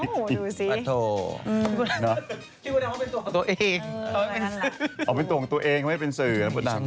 อ๋อเป็นตัวของตัวเองไม่เป็นสื่อก็เป็นความรู้